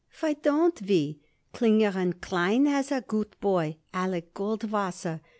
"Why don't we? Klinger & Klein has a good boy, Alec Goldwasser.